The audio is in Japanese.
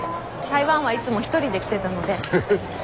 台湾はいつも一人で来てたので。